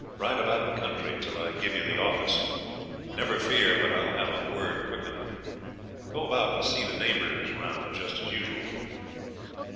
Ride about the country till I give you the office. Never fear but I'll have word quick enough. Go about and see the neighbours round just as usual.'